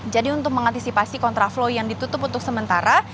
jadi untuk mengantisipasi kontra flow yang ditutup untuk sementara